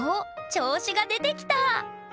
調子が出てきた！